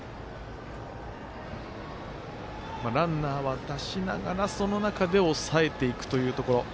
ランナーは出しながらその中で抑えていくというところ。